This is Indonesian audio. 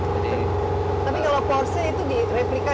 tapi kalau porsnya itu direplika